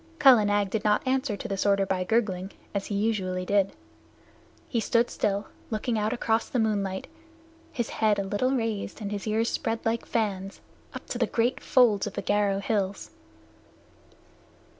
Kala Nag did not answer to the order by gurgling, as he usually did. He stood still, looking out across the moonlight, his head a little raised and his ears spread like fans, up to the great folds of the Garo hills.